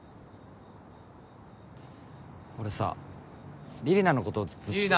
俺さ李里奈のことずっと。